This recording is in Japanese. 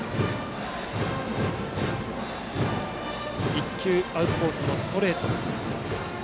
１球、アウトコースのストレート。